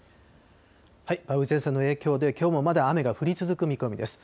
梅雨前線の影響できょうもまだ雨が降り続く見込みです。